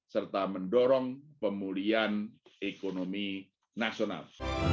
serta mendorong pemulihan ekonomi nasional